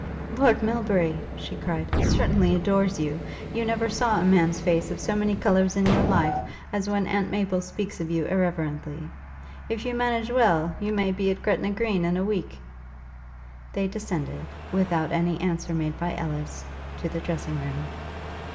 'Lord Melbury,' she cried, 'certainly adores you. You never saw a man's face of so many colours in your life, as when Aunt Maple speaks of you irreverently. If you manage well, you may be at Gretna Green in a week.' They descended, without any answer made by Ellis, to the dressing room.